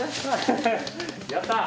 やったー！